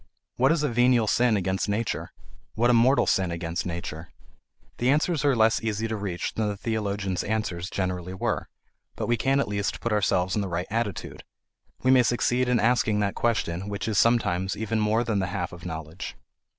What is a venial sin against nature, what a mortal sin against nature? The answers are less easy to reach than the theologians' answers generally were, but we can at least put ourselves in the right attitude; we may succeed in asking that question which is sometimes even more than the half of knowledge.